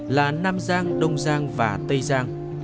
là nam giang đông giang và tây giang